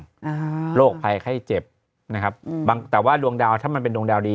อ่าโรคภัยไข้เจ็บนะครับอืมบางแต่ว่าดวงดาวถ้ามันเป็นดวงดาวดี